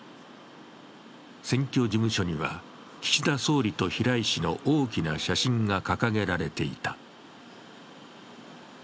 選挙事務所には、岸田総理と平井氏の大きな写真が掲げられていた。